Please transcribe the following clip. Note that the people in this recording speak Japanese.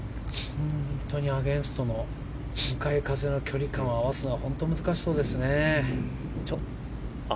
本当にアゲンストの向かい風の距離感を合わせるのは本当に難しそうですよね。